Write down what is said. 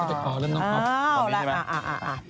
ก็จะพอเรื่องน้องครอบออกไปใช่ไหม